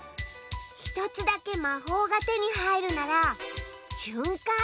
１つだけまほうがてにはいるならしゅんかん